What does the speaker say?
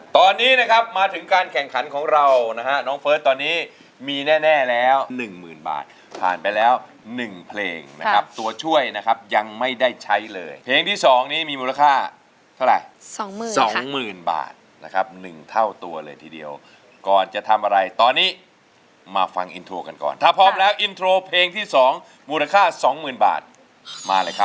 ตอนนี้นะครับมาถึงการแข่งขันของเรานะฮะน้องเฟิร์สตอนนี้มีแน่แล้วหนึ่งหมื่นบาทผ่านไปแล้ว๑เพลงนะครับตัวช่วยนะครับยังไม่ได้ใช้เลยเพลงที่๒นี้มีมูลค่าเท่าไหร่สองหมื่นสองสองหมื่นบาทนะครับ๑เท่าตัวเลยทีเดียวก่อนจะทำอะไรตอนนี้มาฟังอินโทรกันก่อนถ้าพร้อมแล้วอินโทรเพลงที่๒มูลค่าสองหมื่นบาทมาเลยครับ